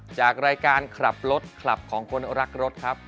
จากรายการขับรถคลับของคนรักรถครับ